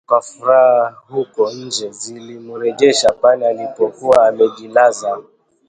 kwa furaha huko nje zilimrejesha pale alipokuwa amejilaza